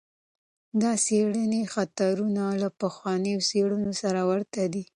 د څېړنې خطرونه له پخوانیو څېړنو سره ورته دي.